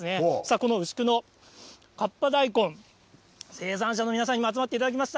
この牛久の河童大根、生産者の皆さんに集まっていただきました。